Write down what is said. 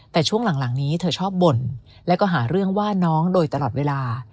แต่ช่วงหลังนี้เธอชอบบ่นแล้วก็หาเรื่องว่าน้องโดยตลอดเวลา